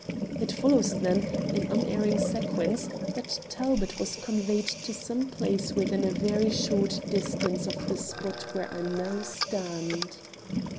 It follows, then, in unerring sequence that Talbot was conveyed to some place within a very short distance of the spot where I now stand."